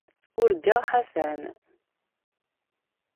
Urgaɣ Ḥasan.